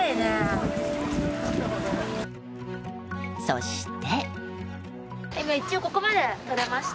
そして。